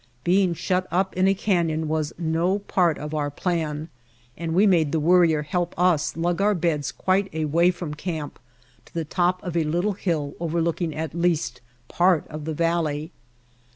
Being shut up in a canyon was no part of our plan and we made the Worrier help us lug our beds quite a way from camp to the top of a little hill over looking at least part of the valley.